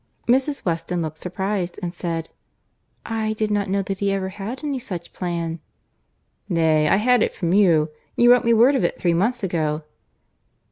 Mrs. Weston looked surprized, and said, "I did not know that he ever had any such plan." "Nay, I had it from you. You wrote me word of it three months ago."